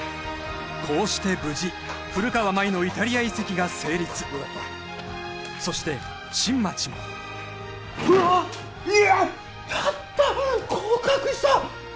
こうして無事古川舞のイタリア移籍が成立よかったそして新町もうわやった合格した！